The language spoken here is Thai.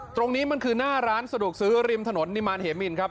ตรงนี้มันคือหน้าร้านสะดวกซื้อริมถนนนิมารเหมินครับ